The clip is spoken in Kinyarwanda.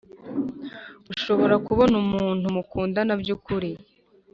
ushobora kubona umuntu mukundana by ukuri